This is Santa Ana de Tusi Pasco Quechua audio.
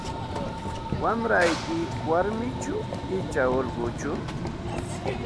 Wamrayki warmichu icha ullquchu?